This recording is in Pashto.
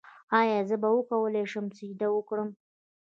ایا زه به وکولی شم سجده وکړم؟